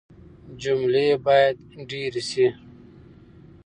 جملې بايد ډېري سي.